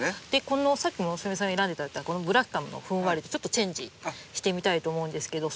さっき村雨さん選んで頂いたこのブラキカムのふんわりとちょっとチェンジしてみたいと思うんですけど。